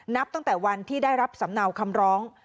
นับตั้งแต่วันที่ได้รับสำเนาคำร้อง